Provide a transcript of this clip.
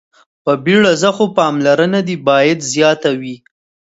په بيړه ځه خو پاملرنه دې باید زياته وي.